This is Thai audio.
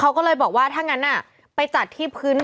เป็นการกระตุ้นการไหลเวียนของเลือด